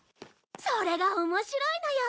それが面白いのよ。